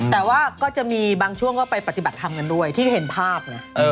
แต่ว่าก็จะมีบางช่วงก็ไปปฏิบัติธรรมกันด้วยที่เห็นภาพนะ